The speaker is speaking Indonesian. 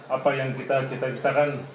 apa yang kita ceritakan